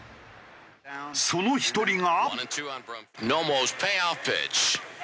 その１人が。